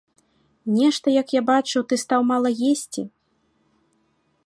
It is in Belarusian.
Нешта, як я бачу, ты стаў мала есці.